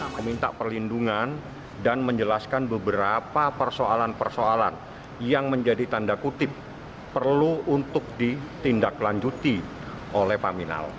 meminta perlindungan dan menjelaskan beberapa persoalan persoalan yang menjadi tanda kutip perlu untuk ditindaklanjuti oleh paminal